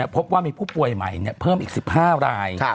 พบว่ามีผู้ป่วยใหม่เพิ่มอีก๑๕ราย